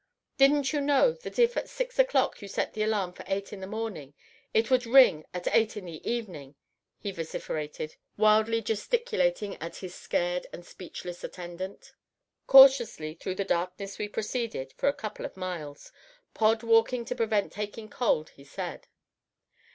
"Didn't you know that if at six o'clock you set the alarm for eight in the morning, it would ring at eight in the evening?" he vociferated, wildly gesticulating at his scared and speechless attendant. Cautiously through the darkness we proceeded for a couple of miles, Pod walking to prevent taking cold, he said.